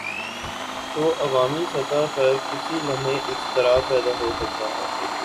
تو عوامی سطح پر کسی لمحے اضطراب پیدا ہو سکتا ہے۔